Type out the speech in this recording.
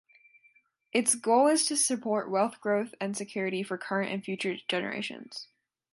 Its goal is to support wealth growth and security for current and future generations.